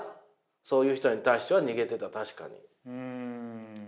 そういう人に対しては逃げてた確かに。